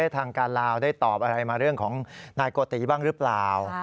ทางการลาวได้ตอบอะไรมาเรื่องของนายโกติบ้างหรือเปล่า